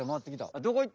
どこいった？